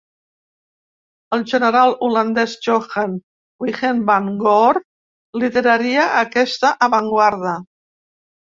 El general holandès Johan Wijnand van Goor lideraria aquesta avantguarda.